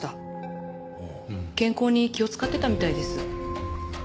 健康に気を使ってたみたいです。